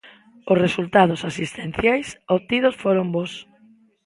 Os resultados asistenciais obtidos foron bos.